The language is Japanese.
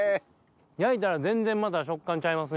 焼いたら全然また食感ちゃいますね。